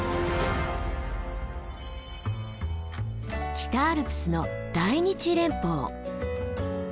北アルプスの大日連峰。